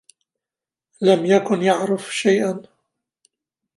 لم يكن يعرف شيئا.